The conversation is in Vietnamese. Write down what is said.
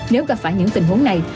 nếu gặp phải những tình huống này